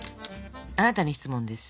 あなたに質問です。